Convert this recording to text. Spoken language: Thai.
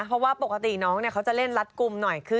เพราะว่าปกติน้องเขาจะเล่นรัดกลุ่มหน่อย